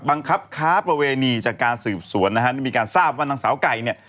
บังคับค้าประเวณีจากการสืบสวนนะฮะได้มีการทราบว่านางสาวไก่เนี่ย